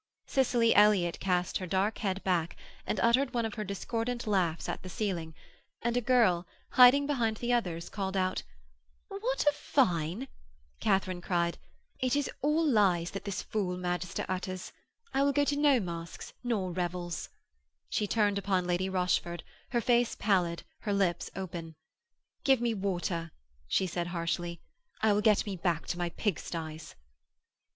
Cicely Elliott cast her dark head back and uttered one of her discordant laughs at the ceiling, and a girl, hiding behind the others, called out, 'What a fine !' Katharine cried, 'It is all lies that this fool magister utters. I will go to no masques nor revels.' She turned upon Lady Rochford, her face pallid, her lips open: 'Give me water,' she said harshly. 'I will get me back to my pig sties.'